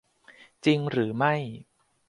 จริงหรือไม่